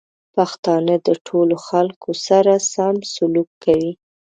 پښتانه د ټولو خلکو سره سم سلوک کوي.